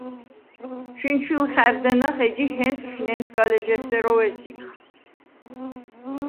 ჩვინჩვილ ხა̈რდენახ, ეჯი ჰენწშვ ნენსგალეჟ’ესეროვ ესიგხ.